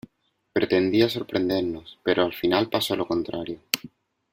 Pretendía sorprendernos, pero al final pasó lo contrario.